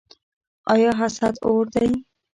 آیا حسد اور دی؟